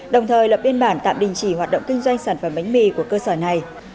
đồng thời lập biên bản tạm đình chỉ hoạt động kinh doanh sản phẩm bánh mì của cơ sở này